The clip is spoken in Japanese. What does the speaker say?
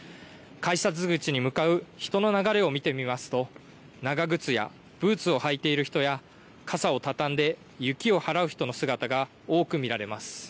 改札口に向かう人の流れを見てみますと長靴やブーツを履いている人や傘を畳んで雪を払う人の姿が多く見られます。